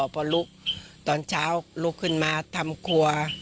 พอลุกตอนเช้าลุกขึ้นมาทำครัว